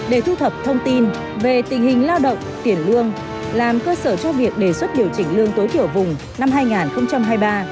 để thu thập thông tin về tình hình lao động tiền lương làm cơ sở cho việc đề xuất điều chỉnh lương tối thiểu vùng năm hai nghìn hai mươi ba